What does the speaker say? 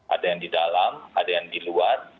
ada yang di dalam ada yang di luar